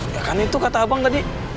ya kan itu kata abang tadi